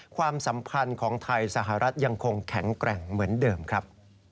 ความสัมพันธ์ของไทยสหรัฐยังคงแข็งแกร่งเหมือนเดิมครับ